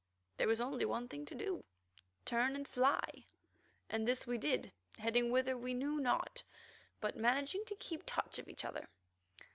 There was only one thing to do—turn and fly—and this we did, heading whither we knew not, but managing to keep touch of each other.